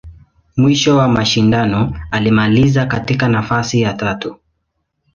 Mwisho wa mashindano, alimaliza katika nafasi ya tatu.